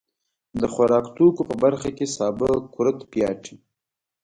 د خوراکتوکو په برخه کې سابه، کورت، پياټي.